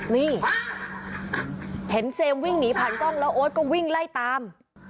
นี่เห็นเซมวิ่งหนีผ่านกล้องแล้วโอ๊ตก็วิ่งไล่ตาม